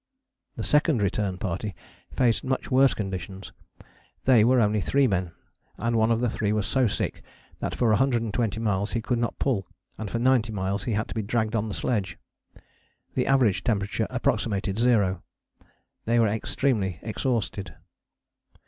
The Second Return Party faced much worse conditions. They were only three men, and one of the three was so sick that for 120 miles he could not pull and for 90 miles he had to be dragged on the sledge. The average temperature approximated zero. They were extremely exhausted.